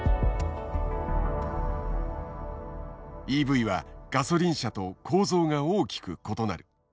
ＥＶはガソリン車と構造が大きく異なる。